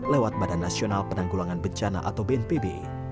lewat badan nasional penanggulangan bencana atau bnpb